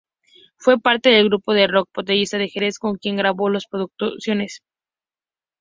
Fue parte del grupo de rock Botellita de Jerez con quien grabó dos producciones.